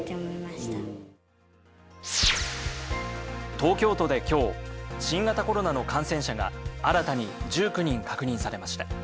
東京都で今日、新型コロナの感染者が新たに１９人確認されました。